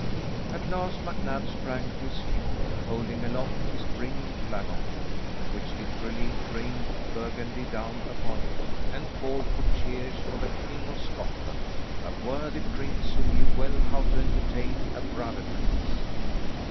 At last MacNab sprang to his feet, holding aloft his brimming flagon, which literally rained Burgundy down upon him, and called for cheers for the King of Scotland, a worthy prince who knew well how to entertain a brother prince.